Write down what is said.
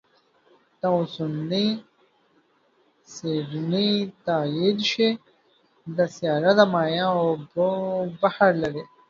که اوسنۍ څېړنې تایید شي، دا سیاره د مایع اوبو بحر لري.